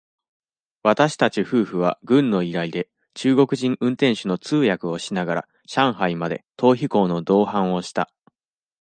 私たち夫婦は、軍の依頼で、中国人運転手の通訳をしながら、上海まで、逃避行の同伴をした。